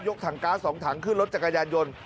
ถังก๊าซ๒ถังขึ้นรถจักรยานยนต์